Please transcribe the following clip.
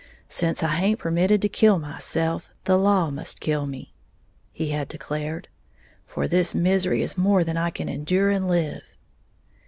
"Since I haint permitted to kill myself, the law must kill me," he had declared, "for this misery is more than I can endure and live."